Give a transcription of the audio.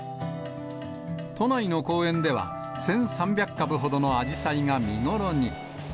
都内の公園では、１３００株ほどのあじさいが見頃に。